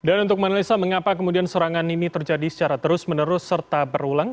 dan untuk menelisa mengapa kemudian serangan ini terjadi secara terus menerus serta berulang